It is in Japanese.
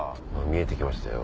見えて来ましたよ